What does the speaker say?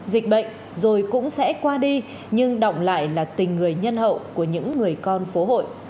dịch bệnh rồi cũng sẽ qua đi nhưng động lại là tình người nhân hậu của những người con phố hội